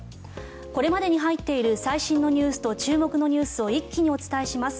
これまでに入っている最新ニュースと注目ニュースを一気にお伝えします。